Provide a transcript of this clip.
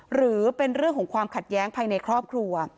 หรือเป็นเรื่องของความขัดแย้งภายในครอบครัว